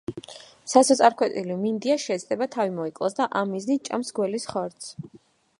სასოწარკვეთილი მინდია შეეცდება თავი მოიკლას და ამ მიზნით ჭამს გველის ხორცს.